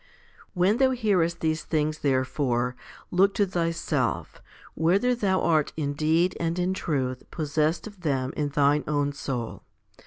10. When thou hearest these things, therefore, look to thyself, whether thou art in deed and in truth possessed of them in thine own soul.